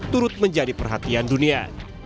turut menjadi perhatian dunia